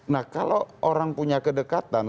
nah kalau orang punya kedekatan